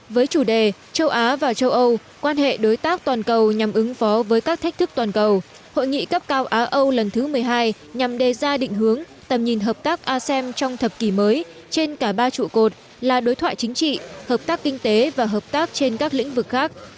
với chủ đề châu á và châu âu quan hệ đối tác toàn cầu nhằm ứng phó với các thách thức toàn cầu hội nghị cấp cao á âu lần thứ một mươi hai nhằm đề ra định hướng tầm nhìn hợp tác asem trong thập kỷ mới trên cả ba trụ cột là đối thoại chính trị hợp tác kinh tế và hợp tác trên các lĩnh vực khác